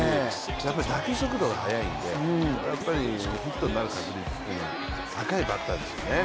やっぱり打球速度が速いのでヒットになる確率が高いバッターですよね。